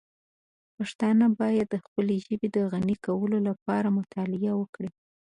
پښتانه باید د خپلې ژبې د غني کولو لپاره مطالعه وکړي.